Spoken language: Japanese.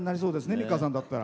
美川さんだったら。